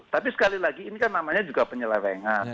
tapi sekali lagi ini kan namanya juga penyelewengan